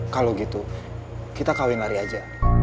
kalau gitu kita kawin lari aja